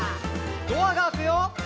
「ドアが開くよ」